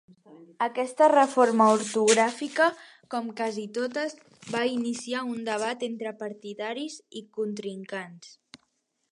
Aquesta reforma ortogràfica, com quasi totes, va iniciar un debat entre partidaris i contrincants.